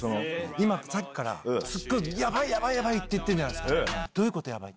今、さっきから、やばいやばいやばいって言ってるじゃないですか、どういうことやばい？